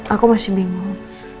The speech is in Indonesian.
aku masih bingung